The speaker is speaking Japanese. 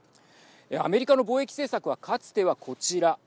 アメリカの貿易政策はかつてはこちら。